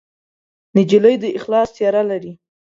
نجلۍ د اخلاص څېره لري.